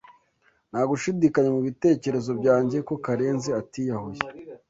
Nta gushidikanya mubitekerezo byanjye ko Karenzi atiyahuye.